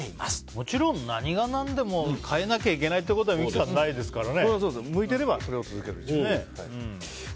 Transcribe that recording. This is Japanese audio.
もちろん何が何でも変えなきゃいけないことは向いてれば、それを続ければ。